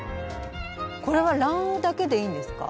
これは卵黄だけでいいんですか？